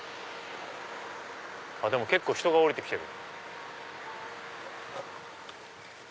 結構人が降りてきてる。